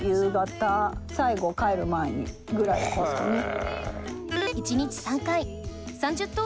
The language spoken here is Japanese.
最後帰る前にぐらいですかね。